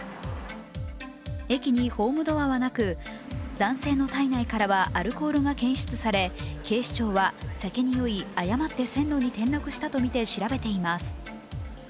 駅にホームドアはなく、男性の体内からはアルコールが検出され、警視庁は酒に酔い誤って線路に転落したとみて調べています。